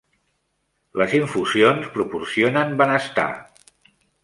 Les infusions proporcionen benestar.